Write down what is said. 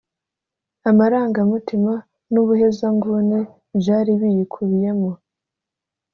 amarangamutima n’ubuhezanguni byari biyikubiyemo